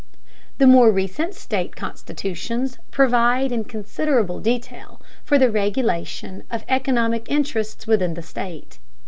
The more recent state constitutions provide in considerable detail for the regulation of economic interests within the state.